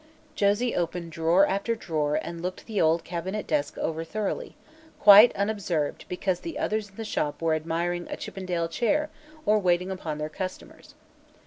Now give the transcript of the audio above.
Josie open drawer after drawer and looked the old cabinet desk over thoroughly, quite unobserved because the others in the shop were admiring a Chippendale chair or waiting upon their customers.